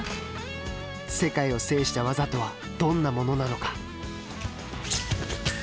世界を制した技とはどんなものなのか。